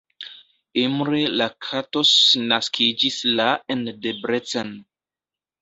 Imre Lakatos naskiĝis la en Debrecen.